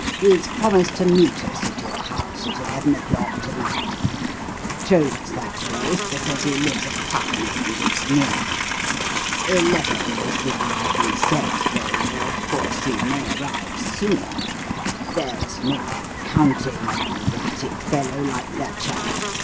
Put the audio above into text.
He's promised to meet us at your house at eleven o'clock to night. Chose that place because he lives at Putney, and it's nearer. Eleven was the hour he set, though, of course, he may arrive sooner; there's no counting on an erratic fellow like that chap.